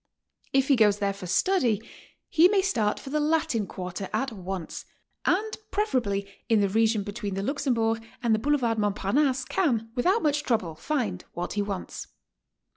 If he goes there for study, he 144 GOING ABROAD? may start for the Latin Quarter at once, and preferably in the region between the Luxembourg and the Boulevard Mont parnasse can without much trouble find what he wants.